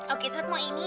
oke tetep mau ini